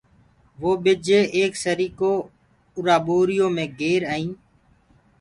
وو ٻج ايڪ سريڪو اُرآ ٻآريو مي گري ائين